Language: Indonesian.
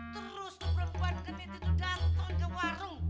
terus tuh perempuan genit itu datang ke warung